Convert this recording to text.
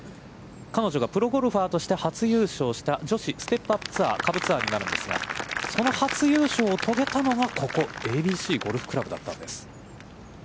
彼女がプロゴルファーとして初優勝した女子ステップ・アップ・ツアー、下部ツアーになるんですが、その初優勝を遂げたのが、ここ、ＡＢＣゴルフ倶楽部だったんです。